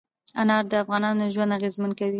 انار د افغانانو ژوند اغېزمن کوي.